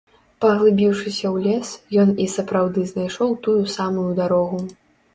Паглыбіўшыся ў лес, ён і сапраўды знайшоў тую самую дарогу.